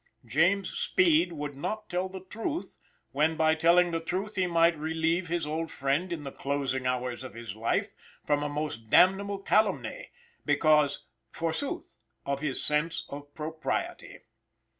James Speed would not tell the truth, when by telling the truth he might relieve his old friend in "the closing hours of his life" from a most damnable calumny, because, forsooth, "of his sense of propriety."